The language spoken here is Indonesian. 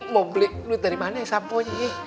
mau beli duit dari mana ya sampo